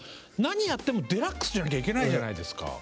何やってもデラックスじゃなきゃいけないじゃないですか。